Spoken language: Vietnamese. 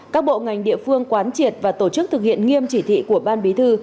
các bộ ngành địa phương quán triệt và tổ chức thực hiện nghiêm chỉ thị của ban bí thư